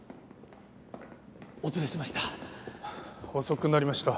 お連れしました。